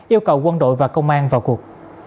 yêu cầu quân đội và công an vào cuộc